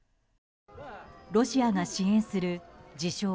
ロシアが支援する自称